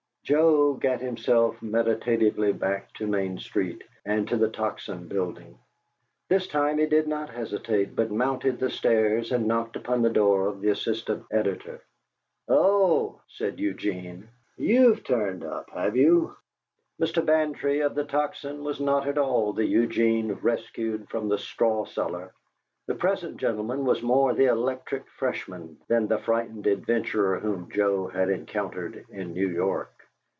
Joe gat him meditatively back to Main Street and to the Tocsin building. This time he did not hesitate, but mounted the stairs and knocked upon the door of the assistant editor. "Oh," said Eugene. "YOU'VE turned up, you?" Mr. Bantry of the Tocsin was not at all the Eugene rescued from the "Straw Cellar." The present gentleman was more the electric Freshman than the frightened adventurer whom Joe had encountered in New York.